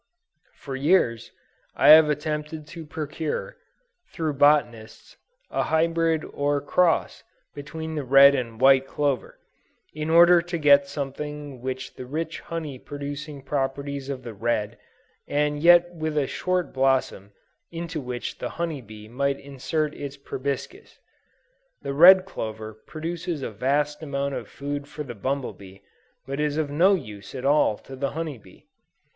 For years, I have attempted to procure, through botanists, a hybrid or cross between the red and white clover, in order to get something with the rich honey producing properties of the red, and yet with a short blossom into which the honey bee might insert its proboscis. The red clover produces a vast amount of food for the bumble bee, but is of no use at all to the honey bee.